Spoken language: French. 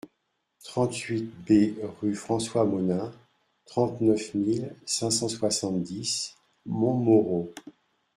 trente-huit B rue François Monin, trente-neuf mille cinq cent soixante-dix Montmorot